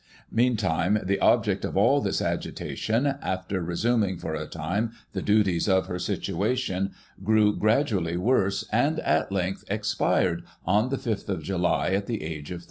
Meantime, the object of all this agitation, after resuming, for a time, the duties of her situation, grew gradually worse, and, at length, expired, on the 5th July, at the age of 33.